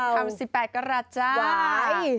พร้อมคำ๑๘ก็ล่ะจ๊ะว้าย